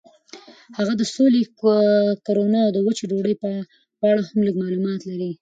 هغه د سولې، کرونا او وچې ډوډۍ په اړه هم لږ معلومات لري.